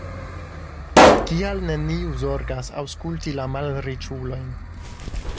Kial neniu zorgas aŭskulti la malriĉulojn?